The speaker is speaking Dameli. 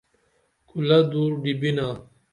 کُلہ دُور ڈیبینا